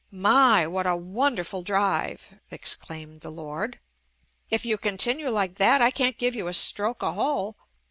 "My, what a wonderful drive," ex claimed the "lord" ; "if you continue like that, I can't give you a stroke a hole."